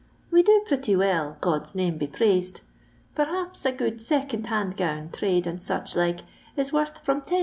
We do pritty well, GihI's name be praised ! Perhaps a good second hand gown trade and such like is worth from 10«.